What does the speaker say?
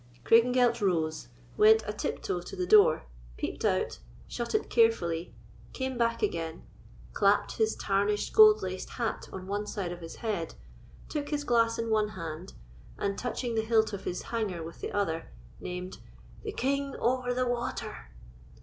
Craigengelt rose, went a tiptoe to the door, peeped out, shut it carefully, came back again, clapped his tarnished gold laced hat on one side of his head, took his glass in one hand, and touching the hilt of his hanger with the other, named, "The King over the water."